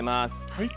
はい。